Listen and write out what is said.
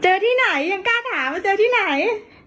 เจอที่ไหนยังกล้าถามเจอที่ไหน